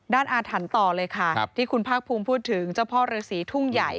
อาถรรพ์ต่อเลยค่ะที่คุณภาคภูมิพูดถึงเจ้าพ่อฤษีทุ่งใหญ่